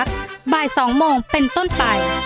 คุณโจรส